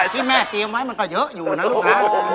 ที่แม่เตรียมไว้มันก็เยอะอยู่นะลูกนะ